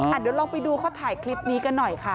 เดี๋ยวลองไปดูเขาถ่ายคลิปนี้กันหน่อยค่ะ